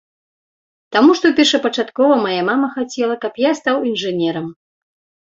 Таму што першапачаткова мая мама хацела, каб я стаў інжынерам.